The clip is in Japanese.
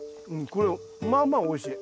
これまあまあおいしい。